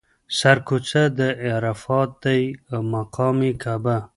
سر کوڅه یې عرفات دی او مقام یې کعبه.